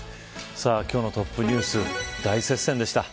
今日のトップニュース大接戦でした。